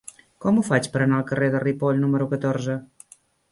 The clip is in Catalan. Com ho faig per anar al carrer de Ripoll número catorze?